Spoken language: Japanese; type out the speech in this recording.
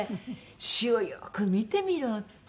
「詞をよく見てみろ」って。